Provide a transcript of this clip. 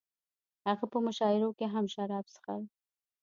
هغه په مشاعرو کې هم شراب څښل